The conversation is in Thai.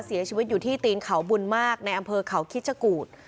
เสียชีวิตอยู่ที่ตีนเขาบุญมากในอำเภอเขาคิดชะกูธ